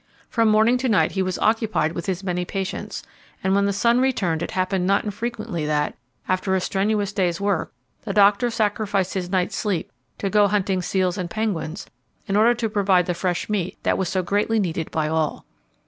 From morning to night he was occupied with his many patients, and when the sun returned it happened not infrequently that, after a strenuous day's work, the doctor sacrificed his night's sleep to go hunting seals and penguins, in order to provide the fresh meat that was so greatly needed by all.